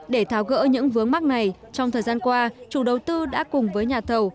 để tháo gỡ những vướng mắt này trong thời gian qua chủ đầu tư đã cùng với nhà thầu